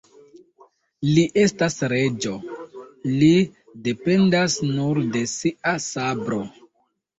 Li estas reĝo, li dependas nur de sia sabro.